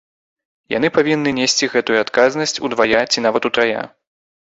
Яны павінны несці гэтую адказнасць удвая ці нават утрая.